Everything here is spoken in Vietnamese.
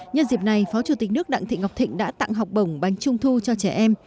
nhân dịp này phó chủ tịch nước đặng thị ngọc thịnh đã tặng học bổng bánh trung thu cho trẻ em